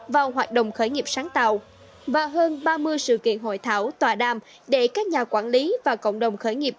vào hoạt động khởi nghiệp sáng tạo và hơn ba mươi sự kiện hội thảo tòa đàm để các nhà quản lý và cộng đồng khởi nghiệp